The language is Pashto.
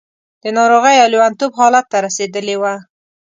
د ناروغۍ او لېونتوب حالت ته رسېدلې وه.